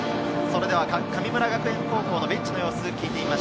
神村学園高校のベンチの様子です。